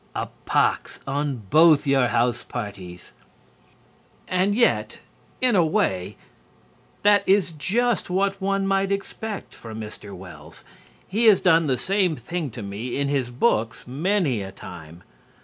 A pox on both your house parties! And yet, in a way, that is just what one might expect from Mr. Wells. He has done the same thing to me in his books many a time.